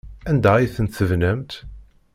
Anda ay tent-tebnamt?